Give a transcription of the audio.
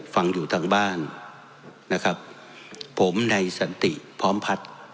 ฟังอยู่ทางบ้านนะครับผมในสันติพร้อมพัฒน์